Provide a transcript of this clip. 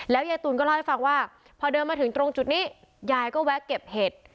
ยายตูนก็เล่าให้ฟังว่าพอเดินมาถึงตรงจุดนี้ยายก็แวะเก็บเห็ด